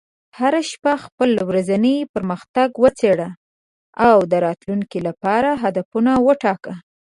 هره شپه خپل ورځنی پرمختګ وڅېړه، او د راتلونکي لپاره هدفونه وټاکه.